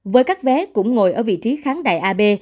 với các vé cũng ngồi ở vị trí kháng đại a b